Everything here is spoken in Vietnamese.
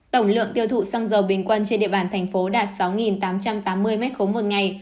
tổng lượng tiêu thụ xăng dầu bình quân trên địa bàn thành phố đạt sáu tám trăm tám mươi m ba một ngày